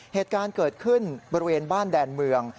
เหตุการณ์เกิดขึ้นบริเวณบ้านแดนเมือง